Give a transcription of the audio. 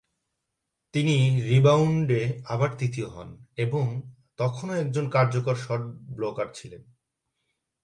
তিনি রিবাউন্ডে আবার তৃতীয় হন এবং তখনও একজন কার্যকর শট ব্লকার ছিলেন।